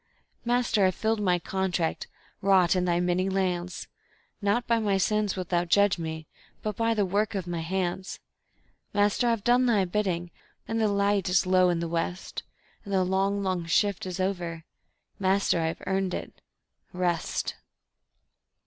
Master, I've filled my contract, wrought in Thy many lands; Not by my sins wilt Thou judge me, but by the work of my hands. Master, I've done Thy bidding, and the light is low in the west, And the long, long shift is over... Master, I've earned it Rest.